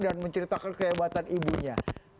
dan menceritakan kehebatan ibunya